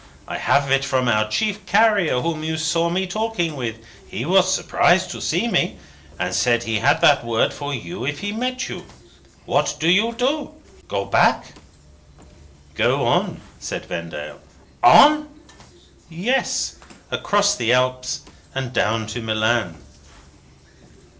I have it from our chief carrier whom you saw me talking with. He was surprised to see me, and said he had that word for you if he met you. What do you do? Go back?" "Go on," said Vendale. "On?" "On? Yes. Across the Alps, and down to Milan."